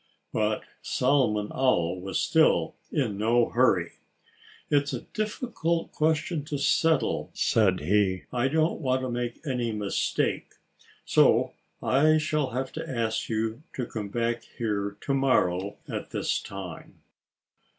But Solomon Owl was still in no hurry. "It's a difficult question to settle," said he. "I don't want to make any mistake. So I shall have to ask you to come back here to morrow at this time."